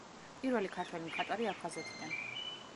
პირველი ქართველი მხატვარი აფხაზეთიდან.